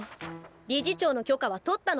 理事長の許可は取ったのですか？